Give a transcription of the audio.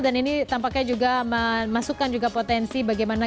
dan ini tampaknya juga memasukkan juga potensi bagaimana